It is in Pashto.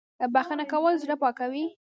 بخښنه کول زړه پاکوي